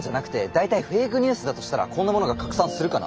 大体フェイクニュースだとしたらこんなものが拡散するかな？